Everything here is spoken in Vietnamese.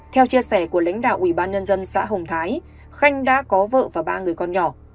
theo chia sẻ của lãnh đạo ủy ban nhân dân xã hồng thái khanh đã có vợ và ba người con nhỏ